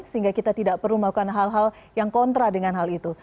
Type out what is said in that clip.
sehingga kita tidak perlu melakukan hal hal yang kontra dengan hal itu